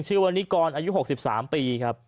ชื่อมณิกรอายุ๖๓ปี